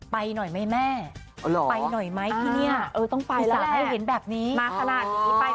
ไปหน่อยไปหน่อย